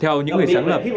theo những người sáng lập